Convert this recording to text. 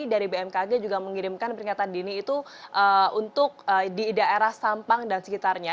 dari bmkg juga mengirimkan peringatan dini itu untuk di daerah sampang dan sekitarnya